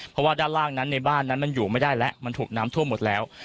เพราะว่าด้านล่างนั้นในบ้านนั้นมันอยู่ไม่ได้แล้วมันถูกน้ำท่วมหมดแล้ว